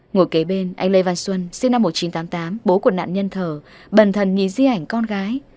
ngồi kế bên anh lê văn xuân sinh năm một nghìn chín trăm tám mươi tám bố của nạn nhân thờ bần thần nhí di ảnh con gái